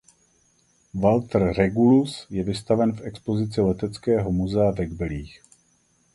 Walter Regulus je vystaven v expozici Leteckého muzea ve Kbelích.